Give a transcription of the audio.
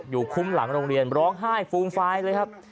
อยู่คุ้มหลังโรงเรียนร้องไห้ฟูมฟายเลยครับ